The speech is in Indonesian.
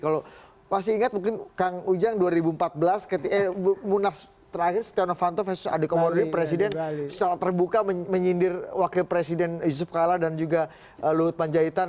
kalau masih ingat mungkin kang ujang dua ribu empat belas ketika munas terakhir setia novanto versus adekomodir presiden secara terbuka menyindir wakil presiden yusuf kala dan juga luhut panjaitan